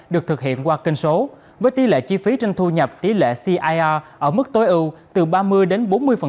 được thực hiện qua kênh số với tỷ lệ chi phí trên thu nhập tỷ lệ cir ở mức tối ưu từ ba mươi đến bốn mươi